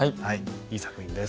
いい作品です。